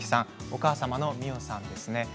お母様は、みよさんですね。